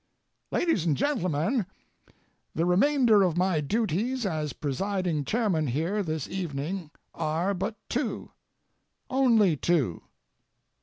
LADIES AND GENTLEMEN,—The remainder of my duties as presiding chairman here this evening are but two—only two.